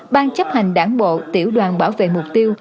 ban chấp hành đảng bộ tiểu đoàn bảo vệ mục tiêu